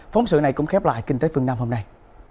phóng sự này cũng khép lại kinh tế phương nam hôm nay